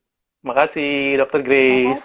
terima kasih dokter grace